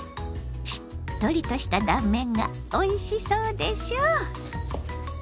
しっとりとした断面がおいしそうでしょ？